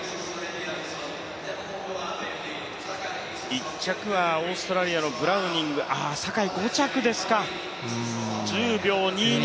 １着はオーストラリアのブラウニング坂井、５着ですか、１０秒２２。